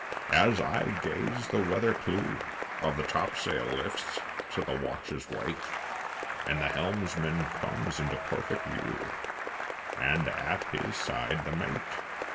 as I gaze the weather clew Of the topsail lifts to the watch's weight, And the helmsman comes into perfect view, And at his side the mate.